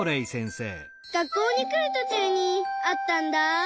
学校にくるとちゅうにあったんだ。